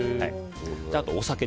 あとお酒。